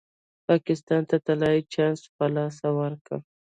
پاکستان ته طلايي چانس په لاس ورکړ.